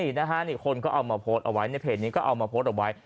คนอาจจะเอามาโพสข์เอาไว้ในเพจมาโพสข์เอาไว้